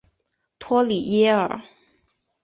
托里耶尔。